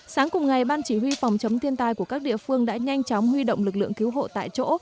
sáng cùng ngày ban chỉ huy phòng chống thiên tai của các địa phương đã nhanh chóng huy động lực lượng cứu hộ tại chỗ